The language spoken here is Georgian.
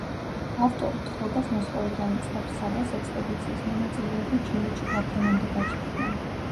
ავტორი თხრობას მოსკოვიდან იწყებს, სადაც ექსპედიციის მონაწილეები ჩინეთში გაფრენამდე გაჩერდნენ.